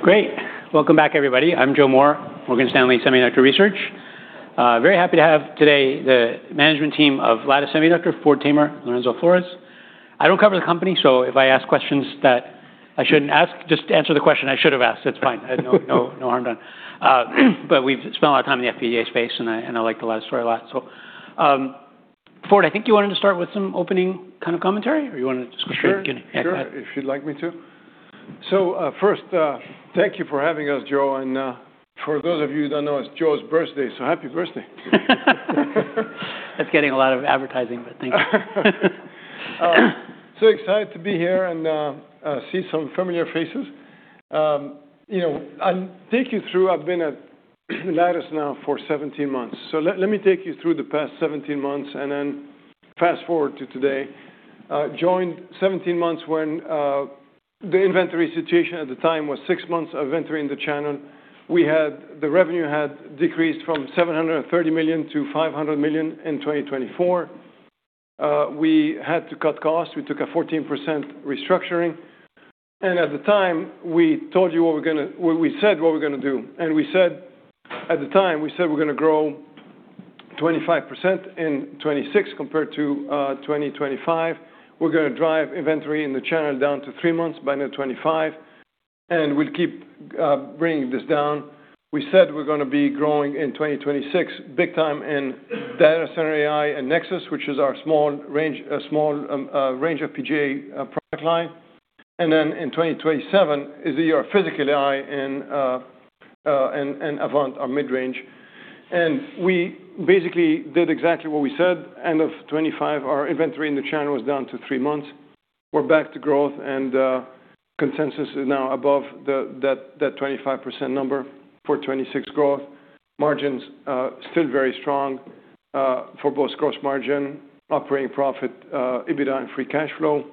Great. Welcome back, everybody. I'm Joe Moore, Morgan Stanley Semiconductor Research. Very happy to have today the management team of Lattice Semiconductor, Ford Tamer, Lorenzo Flores. I don't cover the company, so if I ask questions that I shouldn't ask, just answer the question I should have asked. It's fine. No, no harm done. We've spent a lot of time in the FPGA space, and I, and I like the Lattice story a lot. Ford, I think you wanted to start with some opening kind of commentary, or you wanna just go straight to beginning? Sure. If you'd like me to. First, thank you for having us, Joe, and, for those of you who don't know, it's Joe's birthday, so happy birthday. That's getting a lot of advertising, but thank you. Excited to be here and see some familiar faces. You know, I'll take you through I've been at Lattice now for 17 months. Let me take you through the past 17 months and then fast-forward to today. Joined 17 months when the inventory situation at the time was six months of inventory in the channel. The revenue had decreased from $730 million to $500 million in 2024. We had to cut costs. We took a 14% restructuring. At the time, we told you what we said what we're gonna do. We said, at the time, we said we're gonna grow 25% in 2026 compared to 2025. We're gonna drive inventory in the channel down to 3 months by mid 2025, and we'll keep bringing this down. We said we're gonna be growing in 2026 big time in data center AI and Nexus, which is a small range FPGA product line. In 2027 is your physical AI and Avant, our mid-range. We basically did exactly what we said. End of 2025, our inventory in the channel was down to three months. We're back to growth, and consensus is now above the 25% number for 2026 growth. Margins still very strong for both gross margin, operating profit, EBITDA, and free cash flow.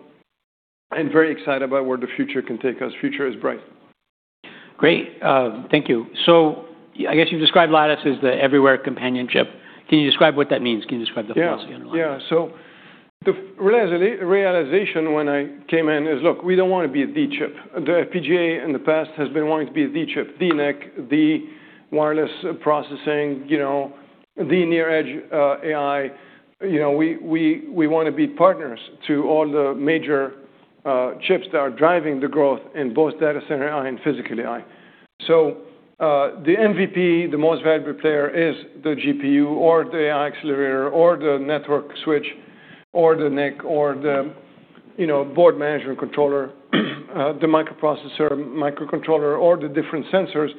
I'm very excited about where the future can take us. Future is bright. Great. thank you. I guess you've described Lattice as the everywhere companionship. Can you describe what that means? Can you describe the philosophy underlying that? Yeah. Yeah. The realization when I came in is, look, we don't wanna be the chip. The FPGA in the past has been wanting to be the chip, the NIC, the wireless processing, you know, the near edge AI. You know, we wanna be partners to all the major chips that are driving the growth in both data center AI and physical AI. The MVP, the most valuable player, is the GPU or the AI accelerator or the network switch or the NIC or the, you know, board management controller, the microprocessor, microcontroller or the different sensors.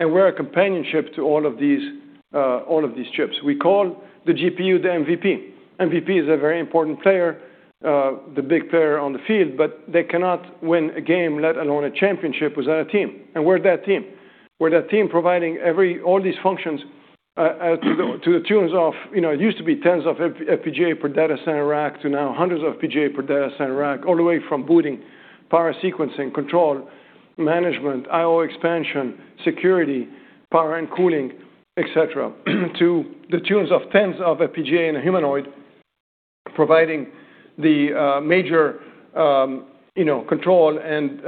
We're a companionship to all of these, all of these chips. We call the GPU the MVP. MVP is a very important player, the big player on the field, but they cannot win a game, let alone a championship, without a team, and we're that team. We're that team providing all these functions, to the tunes of, you know, it used to be tens of FPGA per data center rack to now hundreds of FPGA per data center rack, all the way from booting, power sequencing, control, management, IO expansion, security, power and cooling, et cetera, to the tunes of tens of FPGA in a humanoid providing the major, you know, control and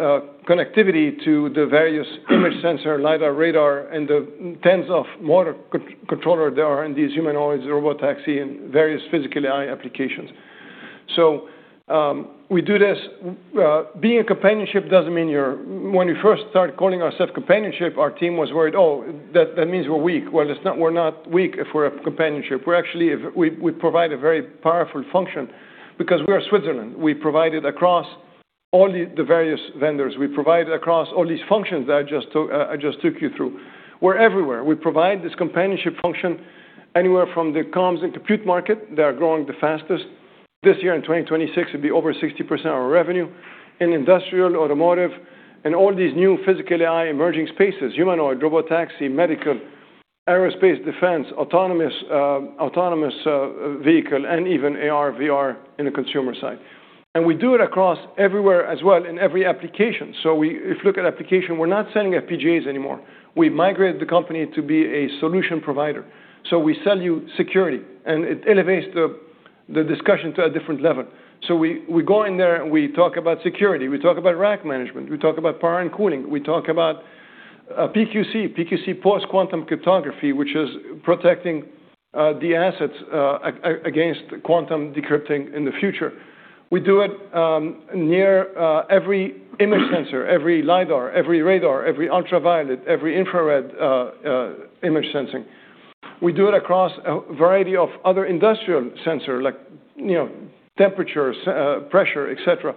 connectivity to the various image sensor, LiDAR, radar and the tens of motor controller there are in these humanoids, robotaxi, and various physical AI applications. We do this. Being a companionship doesn't mean you're—when we first started calling ourself companionship, our team was worried, "Oh, that means we're weak." Well, we're not weak if we're a companionship. We're actually, we provide a very powerful function because we are Switzerland. We provide it across all the various vendors. We provide it across all these functions that I just took you through. We're everywhere. We provide this companionship function anywhere from the comms and compute market that are growing the fastest. This year in 2026, it'll be over 60% of our revenue. In industrial, automotive, and all these new physical AI emerging spaces, humanoid, robotaxi, medical, aerospace, defense, autonomous vehicle, and even AR/VR in the consumer side. We do it across everywhere as well in every application. If you look at application, we're not selling FPGAs anymore. We migrated the company to be a solution provider. We sell you security, and it elevates the discussion to a different level. We go in there, and we talk about security. We talk about rack management. We talk about power and cooling. We talk about PQC. PQC, Post-Quantum Cryptography, which is protecting the assets against quantum decrypting in the future. We do it near every image sensor, every LiDAR, every radar, every ultraviolet, every infrared image sensing. We do it across a variety of other industrial sensor like, you know, temperature, pressure, et cetera.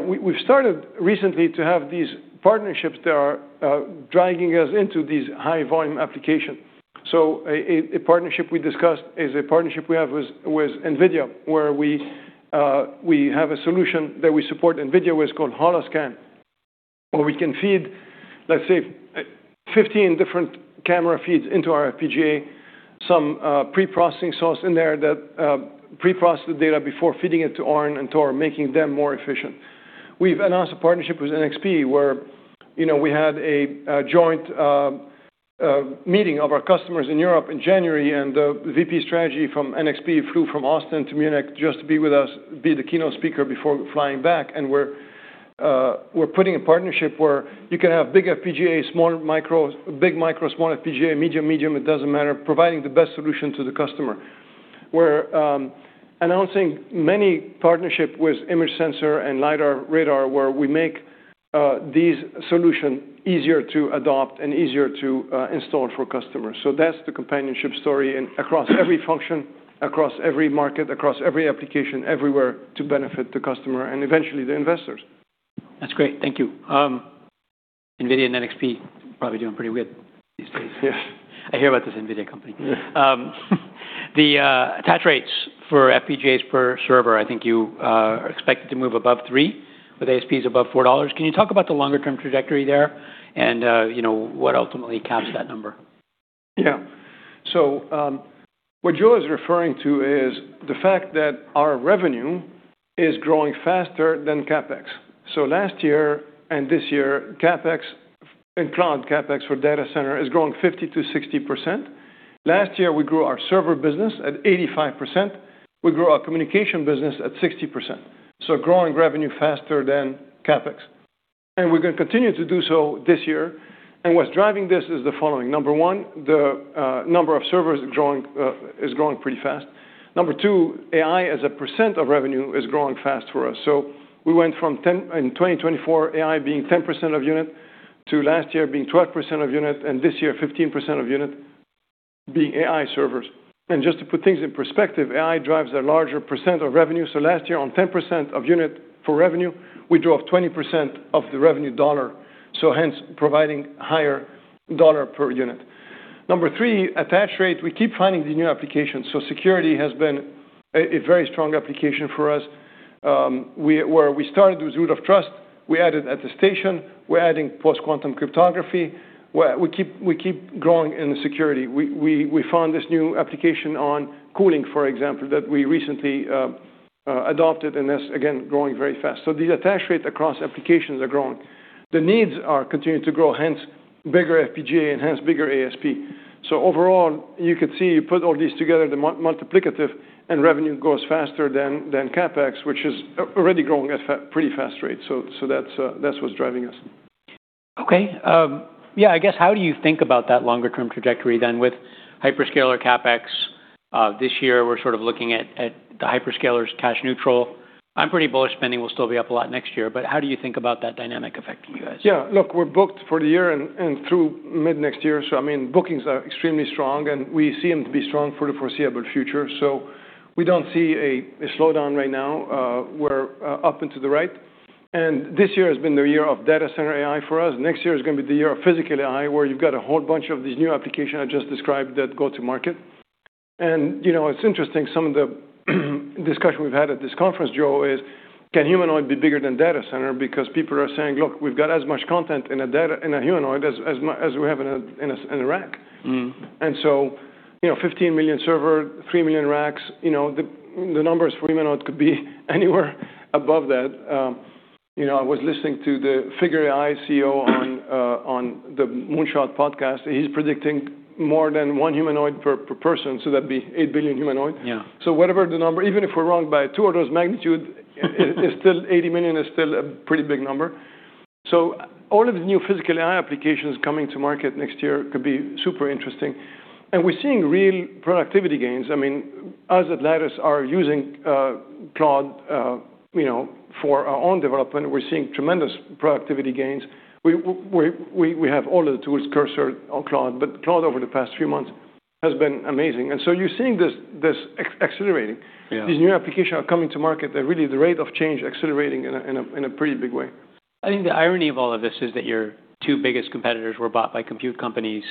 We've started recently to have these partnerships that are dragging us into these high volume application. A partnership we discussed is a partnership we have with NVIDIA, where we have a solution that we support NVIDIA with called Holoscan, where we can feed, let's say, 15 different camera feeds into our FPGA, some pre-processing source in there that pre-process the data before feeding it to Orin and Thor, making them more efficient. We've announced a partnership with NXP, where, you know, we had a joint meeting of our customers in Europe in January, and the VP strategy from NXP flew from Austin to Munich just to be with us, be the keynote speaker before flying back. We're putting a partnership where you can have big FPGAs, small micros, big micros, small FPGA, medium, it doesn't matter, providing the best solution to the customer. We're announcing many partnership with image sensor and LiDAR radar, where we make these solution easier to adopt and easier to install for customers. That's the companionship story, and across every function, across every market, across every application, everywhere, to benefit the customer and eventually the investors. That's great. Thank you. NVIDIA, NXP probably doing pretty good these days. Yeah. I hear about this NVIDIA company. Yeah. The attach rates for FPGAs per server, I think you are expected to move above $3 with ASPs above $4. Can you talk about the longer-term trajectory there and, you know, what ultimately caps that number? What Joe is referring to is the fact that our revenue is growing faster than CapEx. Last year and this year, CapEx in cloud, CapEx for data center is growing 50%-60%. Last year, we grew our server business at 85%. We grew our communication business at 60%. Growing revenue faster than CapEx. We're gonna continue to do so this year. What's driving this is the following. Number one, the number of servers growing is growing pretty fast. Number two, AI as a percent of revenue is growing fast for us. We went from 10% in 2024, AI being 10% of unit to last year being 12% of unit, and this year, 15% of unit being AI servers. Just to put things in perspective, AI drives a larger percent of revenue. Last year, on 10% of unit for revenue, we drove 20% of the dollar revenue, hence providing higher dollar per unit. Number three, attach rate, we keep finding the new applications. Security has been a very strong application for us where we started with Root of Trust, we added Attestation, we're adding Post-Quantum Cryptography. we keep growing in the security. We found this new application on cooling, for example, that we recently adopted, and that's again, growing very fast. The attach rate across applications are growing. The needs are continuing to grow, hence bigger FPGA and hence bigger ASP. Overall, you could see, you put all these together, the multiplicative and revenue grows faster than CapEx, which is already growing at pretty fast rate. That's what's driving us. Okay. Yeah, I guess, how do you think about that longer-term trajectory than with hyperscaler CapEx? This year, we're sort of looking at the hyperscalers cash neutral. I'm pretty bullish spending will still be up a lot next year. How do you think about that dynamic affecting you guys? Yeah. Look, we're booked for the year and through mid-next year. I mean, bookings are extremely strong, and we seem to be strong for the foreseeable future. We don't see a slowdown right now. We're up into the right. This year has been the year of data center AI for us. Next year is gonna be the year of physical AI, where you've got a whole bunch of these new application I just described that go to market. You know, it's interesting, some of the discussion we've had at this conference, Joe, is can humanoid be bigger than data center? Because people are saying, "Look, we've got as much content in a humanoid as we have in a rack." Mm-hmm. You know, 15 million server, 3 million racks, you know, the numbers for humanoid could be anywhere above that. You know, I was listening to the Figure AI CEO on the Moonshot podcast. He's predicting more than one humanoid per person, so that'd be 8 billion humanoid. Yeah. Whatever the number, even if we're wrong by two orders magnitude, it's still $80 million is still a pretty big number. All of the new physical AI applications coming to market next year could be super interesting. We're seeing real productivity gains. I mean, us at Lattice are using Claude, you know, for our own development. We're seeing tremendous productivity gains. We have all of the tools, Cursor or Claude. Claude, over the past few months, has been amazing. You're seeing this, accelerating. Yeah. These new applications are coming to market that really the rate of change accelerating in a pretty big way. I think the irony of all of this is that your two biggest competitors were bought by compute companies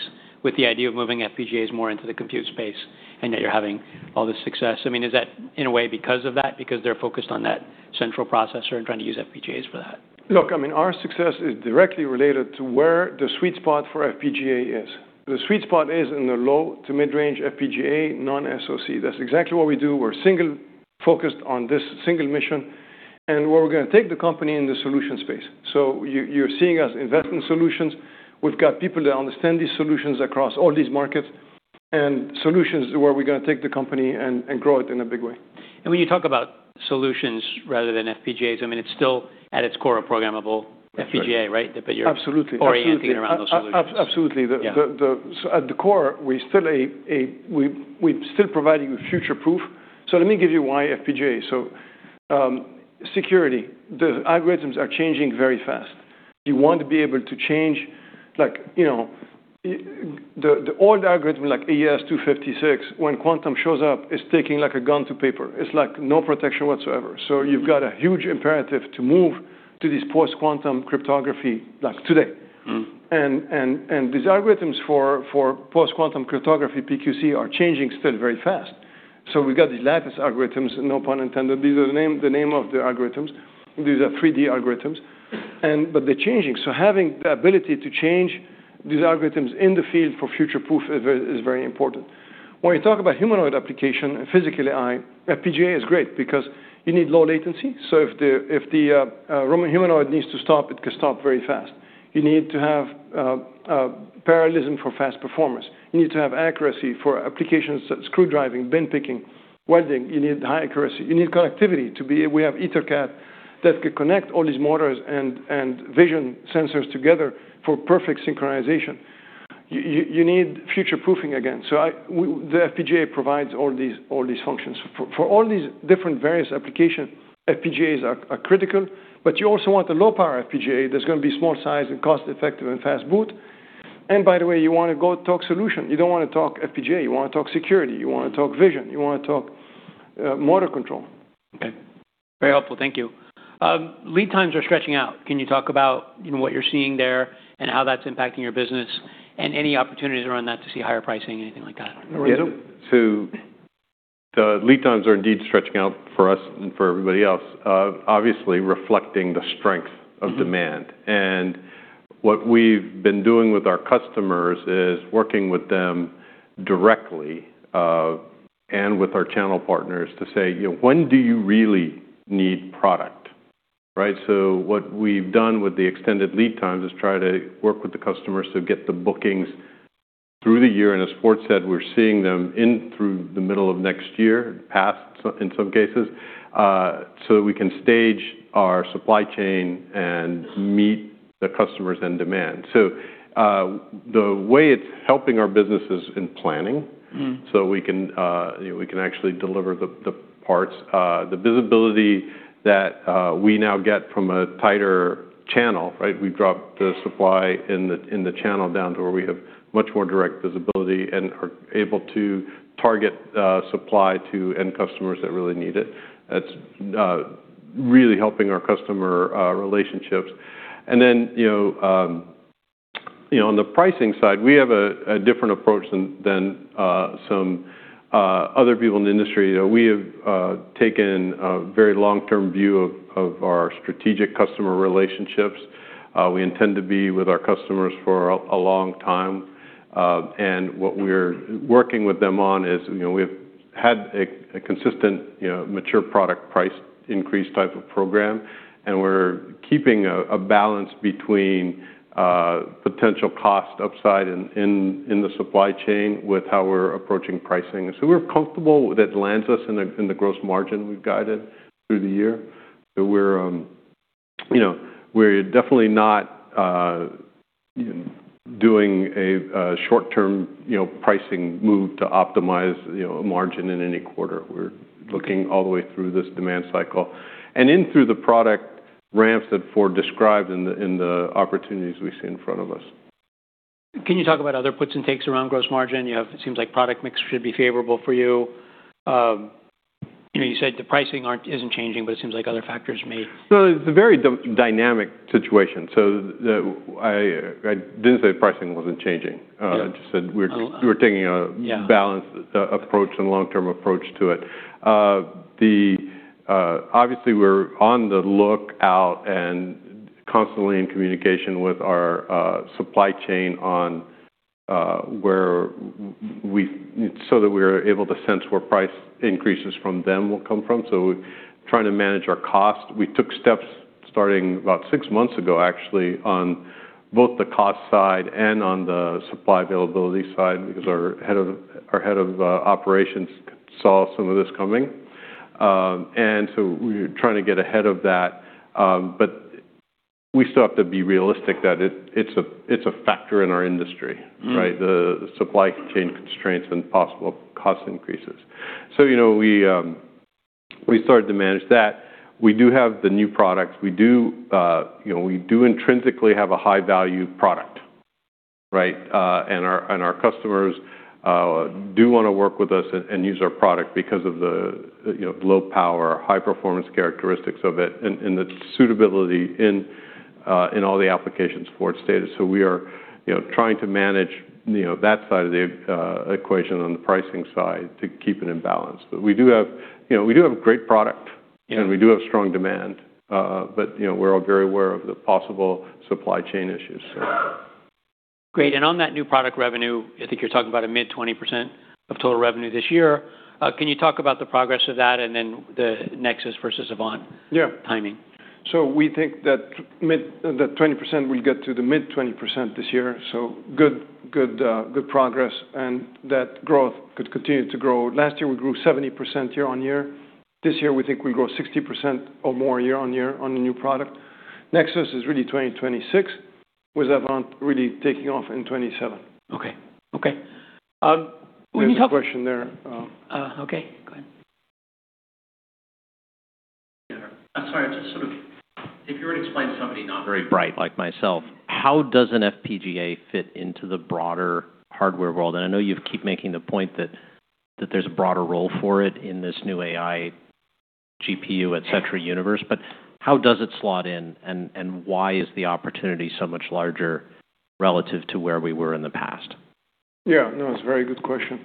with the idea of moving FPGAs more into the compute space. Now you're having all this success. I mean, is that in a way because of that, because they're focused on that central processor and trying to use FPGAs for that? Look, I mean, our success is directly related to where the sweet spot for FPGA is. The sweet spot is in the low to mid-range FPGA, non-SoC. That's exactly what we do. We're single-focused on this single mission and where we're gonna take the company in the solution space. You're seeing us invest in solutions. We've got people that understand these solutions across all these markets and solutions where we're gonna take the company and grow it in a big way. When you talk about solutions rather than FPGAs, I mean, it's still at its core a programmable FPGA, right? Absolutely. Absolutely. Orienting around those solutions. Absolutely. The— Yeah. —at the core, we're still providing future-proof. Let me give you why FPGA. Security. The algorithms are changing very fast. You want to be able to change, like, you know, the old algorithm, like AES256, when quantum shows up, it's taking like a gun to paper. It's like no protection whatsoever. You've got a huge imperative to move to this Post-Quantum Cryptography, like, today. Mm-hmm. These algorithms for Post-Quantum Cryptography, PQC, are changing still very fast. We got these Lattice-based cryptography, no pun intended. These are the name of the algorithms. These are 3D algorithms. But they're changing. Having the ability to change these algorithms in the field for future-proof is very important. When you talk about humanoid application and physical AI, FPGA is great because you need low latency. If the humanoid needs to stop, it can stop very fast. You need to have parallelism for fast performance. You need to have accuracy for applications such screwdriving, bin picking, welding, you need high accuracy. You need connectivity. We have EtherCAT that could connect all these motors and vision sensors together for perfect synchronization. You need future-proofing again. The FPGA provides all these functions. For all these different various application, FPGAs are critical, but you also want the low power FPGA that's gonna be small size and cost-effective and fast boot. By the way, you wanna go talk solution. You don't wanna talk FPGA, you wanna talk security, you wanna talk vision, you wanna talk motor control. Okay. Very helpful. Thank you. Lead times are stretching out. Can you talk about, you know, what you're seeing there and how that's impacting your business, and any opportunities around that to see higher pricing, anything like that? I'll hand it. The lead times are indeed stretching out for us and for everybody else, obviously reflecting the strength of demand. Mm-hmm. What we've been doing with our customers is working with them directly, and with our channel partners to say, you know, "When do you really need product?" Right? What we've done with the extended lead times is try to work with the customers to get the bookings through the year. As Ford said, we're seeing them in through the middle of next year, past in some cases, so that we can stage our supply chain and meet the customers and demand. The way it's helping our business is in planning. Mm-hmm. We can, you know, we can actually deliver the parts. The visibility that we now get from a tighter channel, right? We've dropped the supply in the channel down to where we have much more direct visibility and are able to target supply to end customers that really need it. That's really helping our customer relationships. Then, you know, you know, on the pricing side, we have a different approach than some other people in the industry. You know, we have taken a very long-term view of our strategic customer relationships. We intend to be with our customers for a long time. What we're working with them on is, you know, we've had a consistent, you know, mature product price increase type of program, and we're keeping a balance between potential cost upside in the supply chain with how we're approaching pricing. We're comfortable that lands us in the gross margin we've guided through the year. We're, you know, we're definitely not doing a short-term, you know, pricing move to optimize, you know, a margin in any quarter. We're looking all the way through this demand cycle and in through the product ramps that Ford described in the opportunities we see in front of us. Can you talk about other puts and takes around gross margin? It seems like product mix should be favorable for you know, you said the pricing isn't changing, but it seems like other factors may. It's a very dynamic situation. I didn't say pricing wasn't changing. Yeah. I just said. A li— We're taking— Yeah. —balanced approach and long-term approach to it. The—obviously, we're on the lookout and constantly in communication with our supply chain on where we—so that we're able to sense where price increases from them will come from. Trying to manage our cost. We took steps starting about six months ago, actually, on both the cost side and on the supply availability side because our head of operations saw some of this coming. We're trying to get ahead of that. We still have to be realistic that it's a factor in our industry, right? Mm-hmm. The supply chain constraints and possible cost increases. You know, we started to manage that. We do have the new products. We do, you know, we do intrinsically have a high-value product, right? And our, and our customers, do wanna work with us and use our product because of the, you know, low power, high performance characteristics of it and the suitability in all the applications Ford stated. We are, you know, trying to manage, you know, that side of the equation on the pricing side to keep it in balance. We do have, you know, we do have great product. Yeah. And we do have strong demand. You know, we're all very aware of the possible supply chain issues, so. Great. On that new product revenue, I think you're talking about a mid-20% of total revenue this year. Can you talk about the progress of that and then the Nexus versus Avant— Yeah. —timing? We think that 20% will get to the mid-20% this year. Good, good progress, and that growth could continue to grow. Last year, we grew 70% year-on-year. This year, we think we grow 60% or more year-on-year on the new product. Nexus is really 2026, with Avant really taking off in 2027. Okay. Okay. Um, will you— There's a question there. Okay. Go ahead. Yeah. I'm sorry. I'm just sort of—if you were to explain to somebody not very bright like myself, how does an FPGA fit into the broader hardware world? I know you keep making the point that there's a broader role for it in this new AI GPU, et cetera, universe, but how does it slot in and why is the opportunity so much larger relative to where we were in the past? No, that's a very good question.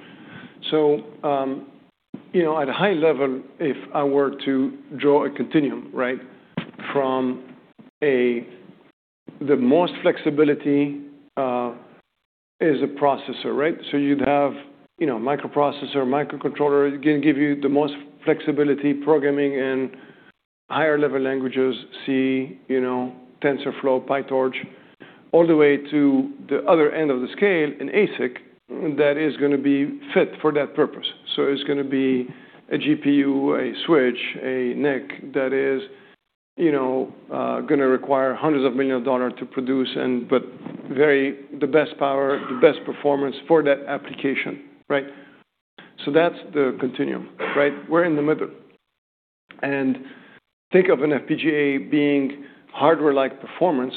At a high level, you know, if I were to draw a continuum, right? The most flexibility is a processor, right? You'd have, you know, microprocessor, microcontroller can give you the most flexibility programming in higher-level languages, see, you know, TensorFlow, PyTorch, all the way to the other end of the scale, an ASIC that is gonna be fit for that purpose. It's gonna be a GPU, a switch, a NIC that is gonna require hundreds of million dollars to produce but the best power, the best performance for that application, right? That's the continuum, right? We're in the middle. Think of an FPGA being hardware-like performance,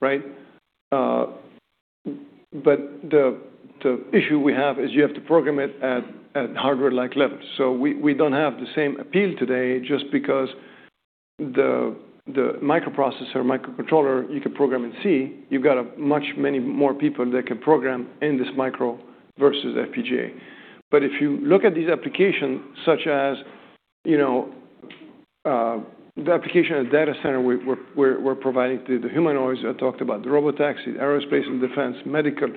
right? But the issue we have is you have to program it at hardware-like levels. We don't have the same appeal today just because the microprocessor, microcontroller, you can program in C. You've got a much many more people that can program in this micro versus FPGA. If you look at these applications, such as, you know, the application at data center we're providing to the humanoids I talked about, the robotaxis, aerospace and defense, medical,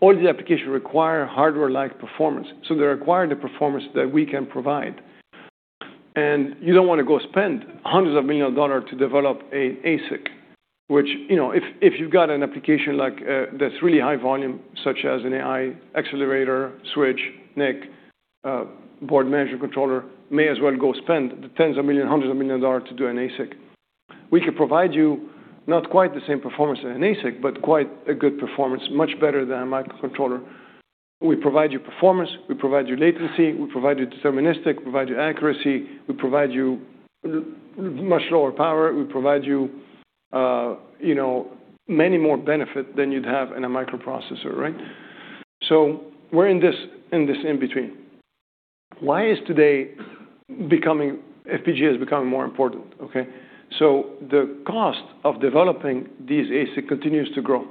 all the applications require hardware-like performance. They require the performance that we can provide. You don't wanna go spend hundreds of million dollars to develop an ASIC, which, you know, if you've got an application like that's really high volume, such as an AI accelerator, switch, NIC, board management controller, may as well go spend the tens of million, hundreds of millions dollars to do an ASIC. We can provide you not quite the same performance as an ASIC, but quite a good performance, much better than a microcontroller. We provide you performance, we provide you latency, we provide you deterministic, provide you accuracy, we provide you much lower power, we provide you know, many more benefit than you'd have in a microprocessor, right? We're in this in-between. Why is today FPGA is becoming more important, okay? The cost of developing these ASIC continues to grow.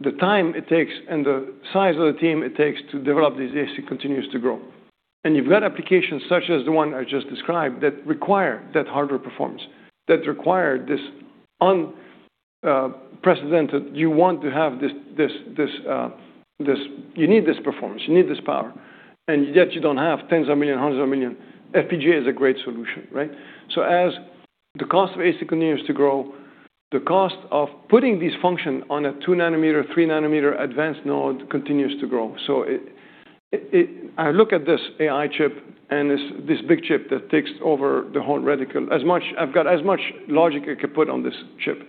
The time it takes and the size of the team it takes to develop these ASIC continues to grow. You've got applications such as the one I just described that require that hardware performance, that require this unprecedented. You need this performance, you need this power, and yet you don't have $10 million, $100 million. FPGA is a great solution, right? As the cost of ASIC continues to grow, the cost of putting this function on a 2 nm, 3 nm advanced node continues to grow. I look at this AI chip and this big chip that takes over the whole reticle. I've got as much logic I could put on this chip.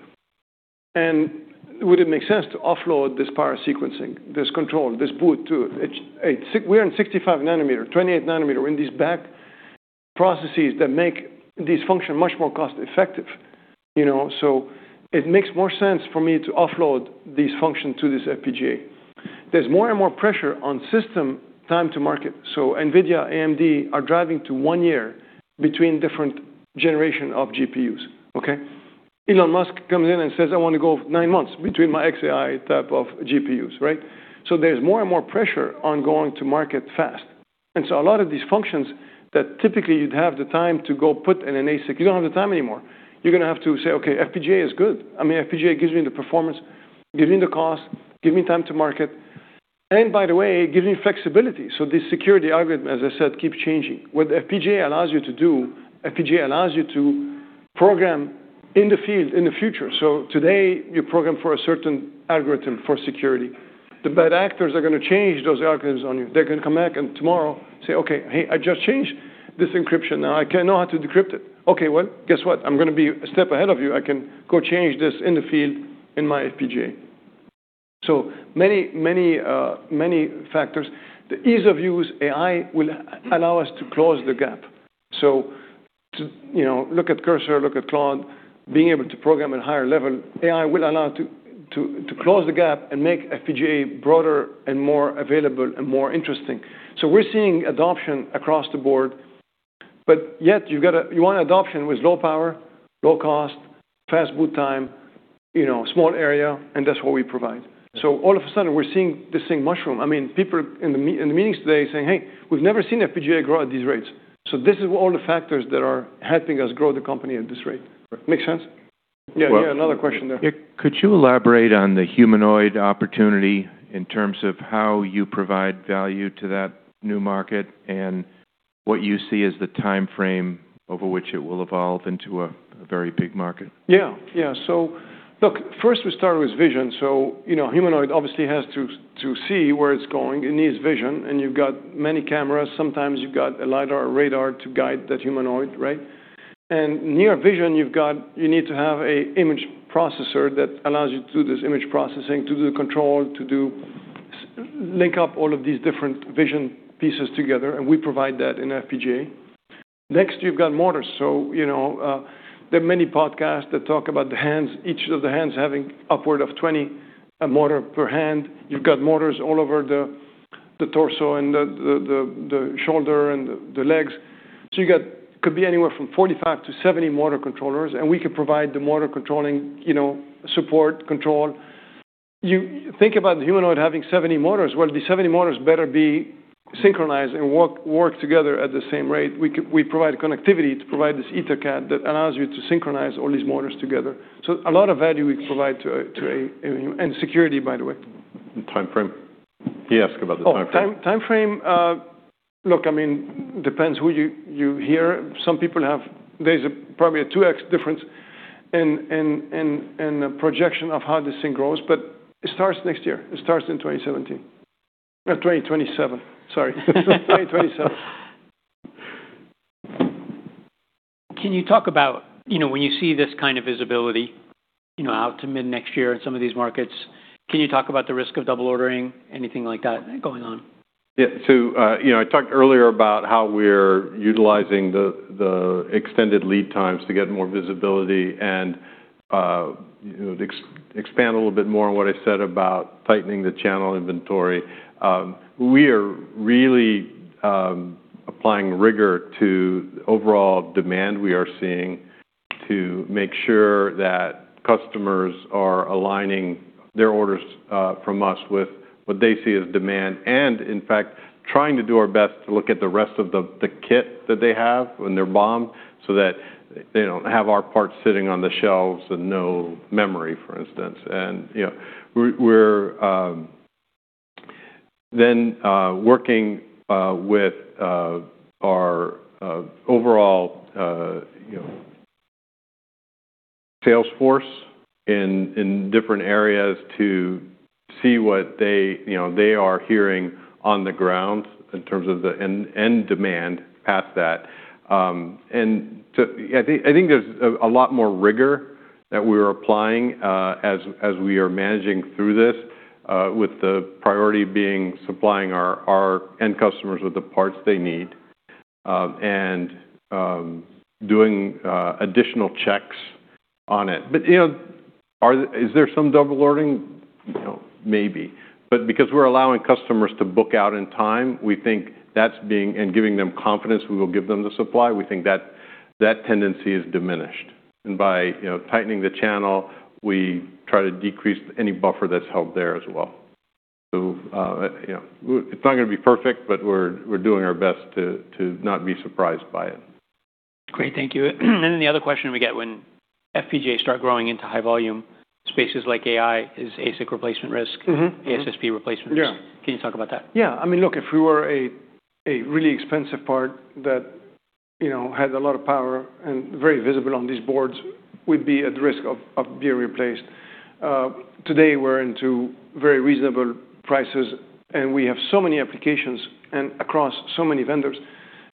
Would it make sense to offload this power sequencing, this control, this boot to it? We're in 65 nm, 28 nm. We're in these back processes that make this function much more cost-effective, you know. It makes more sense for me to offload this function to this FPGA. There's more and more pressure on system time to market. NVIDIA, AMD are driving to one year between different generation of GPUs. Elon Musk comes in and says, "I want to go nine months between my xAI type of GPUs." There's more and more pressure on going to market fast. A lot of these functions that typically you'd have the time to go put in an ASIC, you don't have the time anymore. You're gonna have to say, "Okay, FPGA is good. I mean, FPGA gives me the performance, gives me the cost, give me time to market, and by the way, gives me flexibility." The security algorithm, as I said, keeps changing. What FPGA allows you to do, FPGA allows you to program in the field, in the future. Today, you program for a certain algorithm for security. The bad actors are gonna change those algorithms on you. They're gonna come back and tomorrow say, "Okay, hey, I just changed this encryption. Now I cannot know how to decrypt it." Okay, well, guess what? I'm gonna be a step ahead of you. I can go change this in the field in my FPGA. Many, many factors. The ease of use, AI will allow us to close the gap. To, you know, look at Cursor, look at Claude, being able to program at higher level, AI will allow to close the gap and make FPGA broader and more available and more interesting. We're seeing adoption across the board, but yet you've got you want adoption with low power, low cost, fast boot time, you know, small area, and that's what we provide. All of a sudden, we're seeing this thing mushroom. I mean, people in the meetings today saying, "Hey, we've never seen FPGA grow at these rates." This is all the factors that are helping us grow the company at this rate. Make sense? Yeah. Yeah. Another question there. Could you elaborate on the humanoid opportunity in terms of how you provide value to that new market and what you see as the timeframe over which it will evolve into a very big market? Yeah. Yeah. Look, first we started with vision. You know, humanoid obviously has to see where it's going. It needs vision. You've got many cameras. Sometimes you've got a LiDAR, a radar to guide that humanoid, right? Near vision, you need to have an image processor that allows you to do this image processing, to do the control, to link up all of these different vision pieces together, and we provide that in FPGA. Next, you've got motors. You know, there are many podcasts that talk about the hands, each of the hands having upward of 20 motor per hand. You've got motors all over the torso and the shoulder and the legs, could be anywhere from 45 to 70 motor controllers, and we could provide the motor controlling, you know, support, control. You think about the humanoid having 70 motors. The 70 motors better be synchronized and work together at the same rate. We provide connectivity to provide this EtherCAT that allows you to synchronize all these motors together. A lot of value we provide to a—security, by the way. Timeframe. He asked about the timeframe. Timeframe, look, I mean, depends who you hear. There's a probably a 2x difference in projection of how this thing grows, but it starts next year. It starts in 2017. 2027, sorry. 2027. Can you talk about, you know, when you see this kind of visibility, you know, out to mid-next year in some of these markets, can you talk about the risk of double ordering, anything like that going on? Yeah. You know, I talked earlier about how we're utilizing the extended lead times to get more visibility and, you know, to expand a little bit more on what I said about tightening the channel inventory. We are really applying rigor to overall demand we are seeing to make sure that customers are aligning their orders, from us with what they see as demand, and in fact, trying to do our best to look at the rest of the kit that they have when they're BOM, so that they don't have our parts sitting on the shelves with no memory, for instance. You know, we're then working with our overall, you know, sales force in different areas to see what they, you know, they are hearing on the ground in terms of the end demand past that. I think there's a lot more rigor that we're applying as we are managing through this with the priority being supplying our end customers with the parts they need and doing additional checks on it. You know, is there some double ordering? You know, maybe. Because we're allowing customers to book out in time, and giving them confidence we will give them the supply, we think that tendency is diminished. By, you know, tightening the channel, we try to decrease any buffer that's held there as well. You know, it's not gonna be perfect, but we're doing our best to not be surprised by it. Great. Thank you. The other question we get, when FPGA start growing into high volume spaces like AI, is ASIC replacement risk— Mm-hmm. —ASSP replacement risk. Yeah. Can you talk about that? I mean, look, if we were a really expensive part that, you know, had a lot of power and very visible on these boards, we'd be at risk of being replaced. Today we're into very reasonable prices, and we have so many applications and across so many vendors.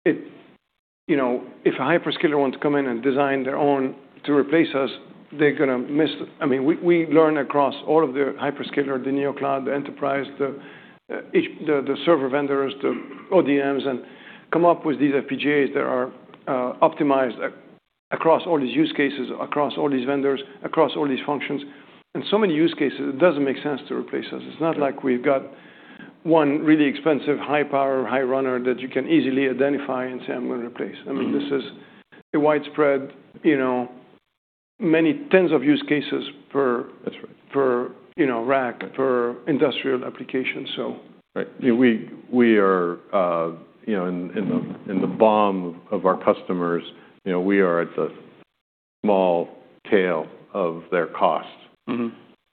You know, if a hyperscaler were to come in and design their own to replace us, they're gonna miss. I mean, we learn across all of the hyperscaler, the Neocloud, the enterprise, the server vendors, the ODMs, and come up with these FPGAs that are optimized across all these use cases, across all these vendors, across all these functions. In so many use cases, it doesn't make sense to replace us. It's not like we've got one really expensive high power, high runner that you can easily identify and say, "I'm gonna replace." Mm-hmm. I mean, this is a widespread, you know, many tens of use cases. That's right. For you know, rack, for industrial applications, so. Right. We are, you know, in the BOM of our customers, you know, we are at the small tail of their costs.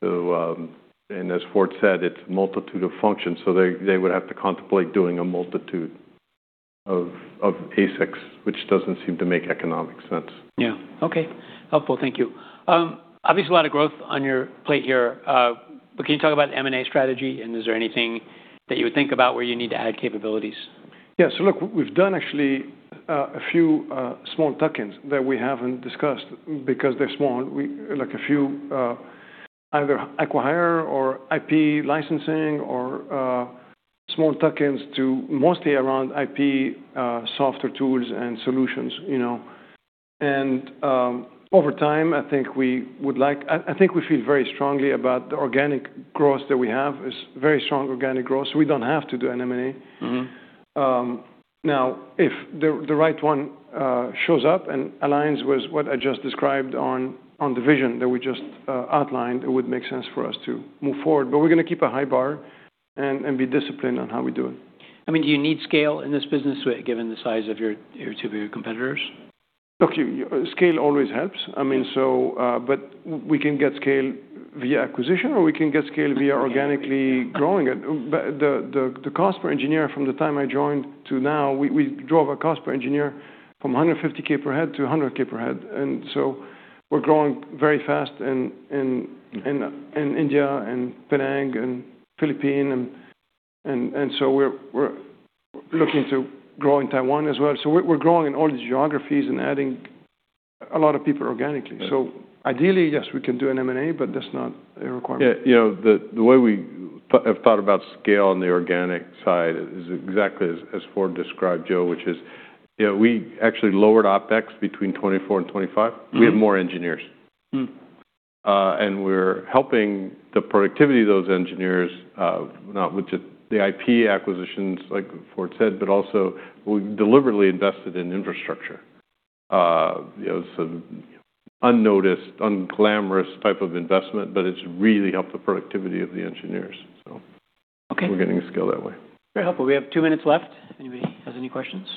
Mm-hmm. As Ford said, it's a multitude of functions, so they would have to contemplate doing a multitude of ASICs, which doesn't seem to make economic sense. Yeah. Okay. Helpful. Thank you. Obviously a lot of growth on your plate here, but can you talk about M&A strategy? Is there anything that you would think about where you need to add capabilities? Yeah. Look, we've done actually, a few, small tuck-ins that we haven't discussed because they're small. Like a few, either acqui-hire or IP licensing or, small tuck-ins to mostly around IP, software tools and solutions, you know. Over time, I think we feel very strongly about the organic growth that we have. Is very strong organic growth, so we don't have to do an M&A. Mm-hmm. Now, if the right one shows up and aligns with what I just described on the vision that we just outlined, it would make sense for us to move forward. We're gonna keep a high bar and be disciplined on how we do it. I mean, do you need scale in this business given the size of your two bigger competitors? Look, scale always helps. I mean, so, we can get scale via acquisition, or we can get scale via organically growing it. The cost per engineer from the time I joined to now, we drove a cost per engineer from $150,000 per head to $100 ,000 per head. We're growing very fast in India and Penang and Philippines and so we're looking to grow in Taiwan as well. We're growing in all these geographies and adding a lot of people organically. Yeah. Ideally, yes, we can do an M&A, but that's not a requirement. Yeah. You know, the way we have thought about scale on the organic side is exactly as Ford described, Joe, which is, you know, we actually lowered OpEx between 2024 and 2025. Mm-hmm. We have more engineers. Mm-hmm. We're helping the productivity of those engineers, not with just the IP acquisitions like Ford said, but also we've deliberately invested in infrastructure. You know, some unnoticed, unglamorous type of investment, but it's really helped the productivity of the engineers. Okay. We're getting scale that way. Very helpful. We have two minutes left. Anybody has any questions?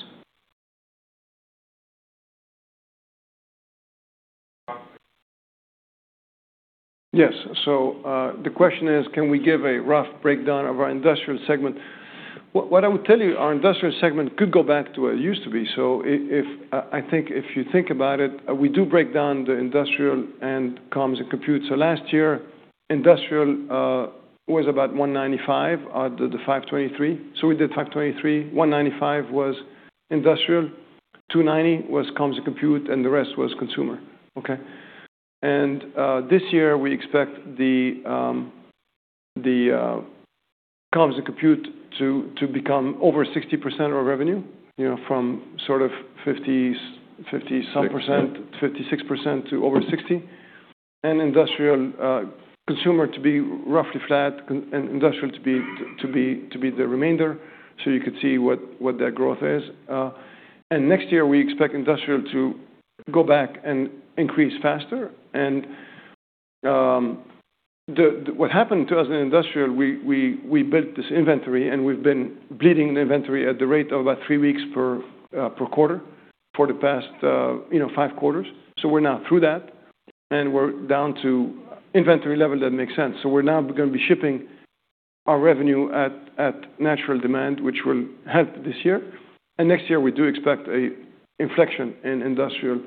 Yes. The question is, can we give a rough breakdown of our industrial segment? What I would tell you, our industrial segment could go back to what it used to be. If you think about it, we do break down the industrial and comms and compute. Last year, industrial was about $195 million out of the $523 million. We did $523 million. $195 million was industrial, $290 million was comms and compute, and the rest was consumer. Okay? This year, we expect the comms and compute to become over 60% of our revenue, you know, from sort of 50%-56% to over 60%. Industrial, consumer to be roughly flat and industrial to be the remainder. You could see what that growth is. Next year, we expect industrial to go back and increase faster. What happened to us in industrial, we built this inventory, and we've been bleeding the inventory at the rate of about three weeks per quarter for the past, you know, five quarters. We're now through that, and we're down to inventory level that makes sense. We're now gonna be shipping our revenue at natural demand, which will help this year. Next year, we do expect a inflection in industrial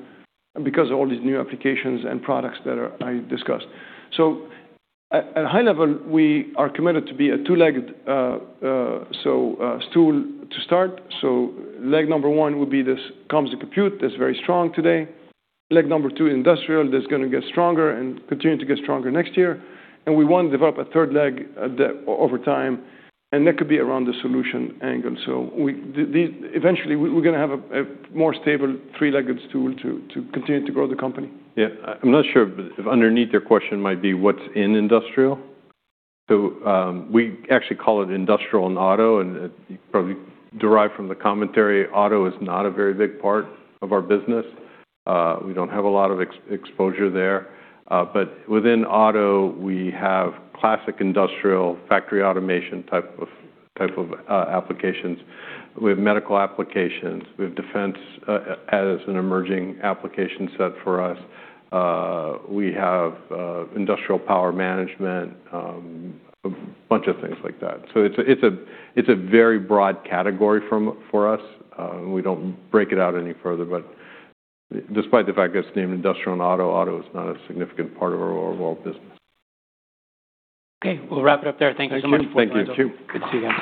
because of all these new applications and products that I discussed. At high level, we are committed to be a two-legged stool to start. Leg number one would be this comms and compute. That's very strong today. Leg number two, industrial. That's gonna get stronger and continue to get stronger next year. We wanna develop a third leg over time, that could be around the solution angle. Eventually, we're gonna have a more stable three-legged stool to continue to grow the company. I'm not sure if underneath your question might be what's in industrial. We actually call it industrial and auto. You probably derive from the commentary, auto is not a very big part of our business. We don't have a lot of ex-exposure there. Within auto, we have classic industrial factory automation type of applications. We have medical applications. We have defense as an emerging application set for us. We have industrial power management, a bunch of things like that. It's a very broad category for us. We don't break it out any further. Despite the fact that it's named industrial and auto is not a significant part of our overall business. We'll wrap it up there. Thank you so much. Thank you. Thank you. Good to see you.